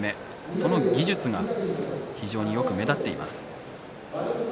その技術がよく目立っています。